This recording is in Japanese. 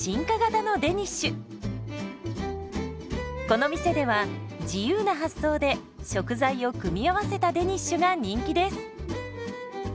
この店では自由な発想で食材を組み合わせたデニッシュが人気です。